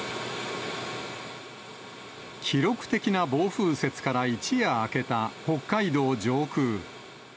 記録的な暴風雪から一夜明けた北海道上空。